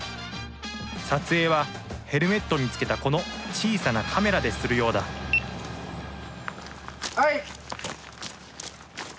撮影はヘルメットにつけたこの小さなカメラでするようだはい！